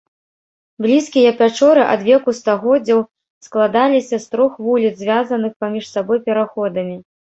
Блізкія пячоры адвеку стагоддзяў складаліся з трох вуліц, звязаных паміж сабой пераходамі.